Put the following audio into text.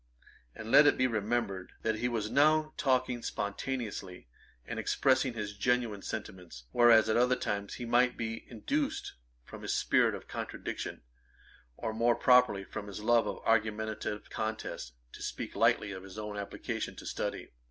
And let it be remembered, that he was now talking spontaneously, and expressing his genuine sentiments; whereas at other times he might be induced from his spirit of contradiction, or more properly from his love of argumentative contest, to speak lightly of his own application to study.